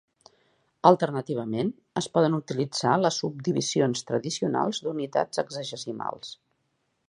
Alternativament, es poden utilitzar les subdivisions tradicionals d'unitats sexagesimals.